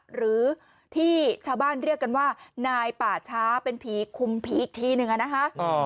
หรือที่ชาวบ้านเรียกกันว่านายป่าช้าเป็นผีคุมผีอีกทีหนึ่งอะนะคะ